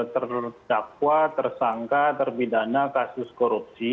terdakwa tersangka terpidana kasus korupsi